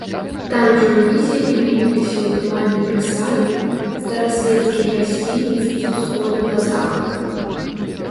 Там жа ўнізе імгліліся ў тумане прысады, старасвецкі гасцінец з усходу на захад.